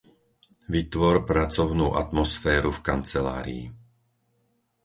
Vytvor pracovnú atmosféru v kancelárii.